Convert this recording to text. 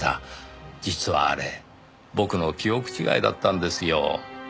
実はあれ僕の記憶違いだったんですよ。